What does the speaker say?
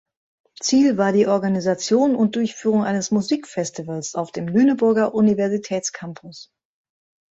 Ziel war die Organisation und Durchführung eines Musikfestivals auf dem Lüneburger Universitätscampus.